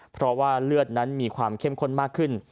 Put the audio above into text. เพราะว่าเลือดนั้นมีความเข้มข้นมากขึ้น